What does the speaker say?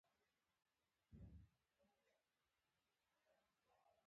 لس نمرې به په سلو کې درکړم آیا سمه ده.